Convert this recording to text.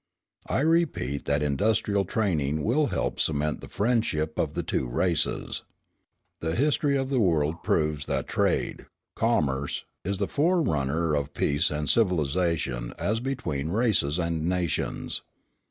I repeat that industrial training will help cement the friendship of the two races. The history of the world proves that trade, commerce, is the forerunner of peace and civilisation as between races and nations.